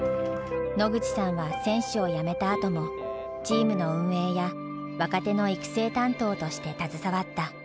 野口さんは選手をやめたあともチームの運営や若手の育成担当として携わった。